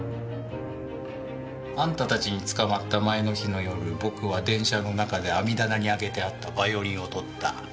あんたたちに捕まった前の日の夜僕は電車の中で網棚に上げてあったバイオリンを取った。